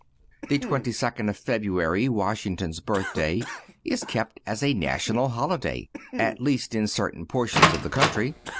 The 22nd of February, Washington's birthday, is kept as a national holiday, at least in certain portions of the country.